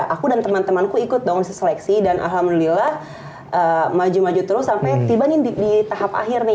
aku dan teman temanku ikut dong seleksi dan alhamdulillah maju maju terus sampai tiba nih di tahap akhir nih